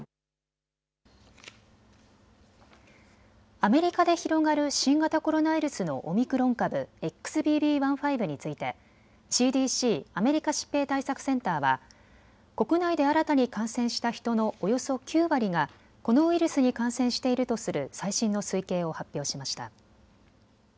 アメリカで広がる新型コロナウイルスのオミクロン株、ＸＢＢ．１．５についてＣＤＣ・アメリカ疾病対策センターは国内で新たに感染した人のおよそ９割がこのウイルスに感染しているとする最新の推計を発表しました。